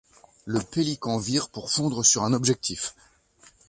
Le pélican vire pour fondre sur son objectif.